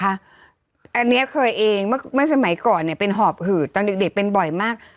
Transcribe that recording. อันนี้เคยเองเมื่อสมัยก่อนเป็นหอบหืดตอนเด็กเป็นบ่อยมาก